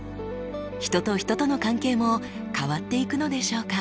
人と人との関係も変わっていくのでしょうか？